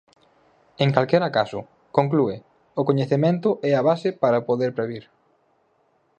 En calquera caso, conclúe, "o coñecemento é a base para poder previr".